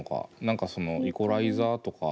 何かそのイコライザーとか。